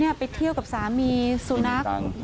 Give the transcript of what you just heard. นี่ไปเที่ยวกับสามีสูนักมีตังค์